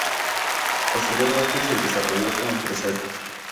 Posteriormente se desarrolló como empresario.